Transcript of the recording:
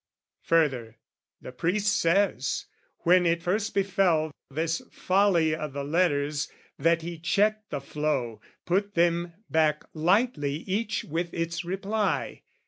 Further the priest says, when it first befell, This folly o' the letters, that he checked the flow, Put them back lightly each with its reply.